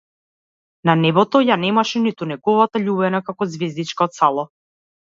На небото ја немаше ниту неговата љубена како ѕвездичка од сало.